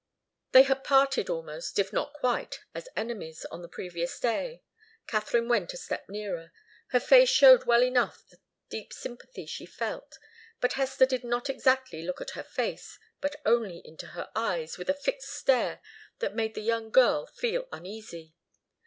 They had parted almost, if not quite, as enemies, on the previous day. Katharine went a step nearer. Her face showed well enough the deep sympathy she felt, but Hester did not exactly look at her face, but only into her eyes, with a fixed stare that made the young girl feel uneasy.